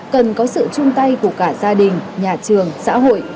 cần có sự chung tay của cả gia đình nhà trường xã hội